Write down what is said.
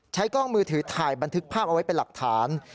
กล้องมือถือถ่ายบันทึกภาพเอาไว้เป็นหลักฐาน